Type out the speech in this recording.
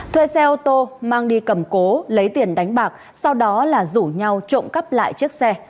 thuê xe ô tô mang đi cầm cố lấy tiền đánh bạc sau đó là rủ nhau trộm cắp lại chiếc xe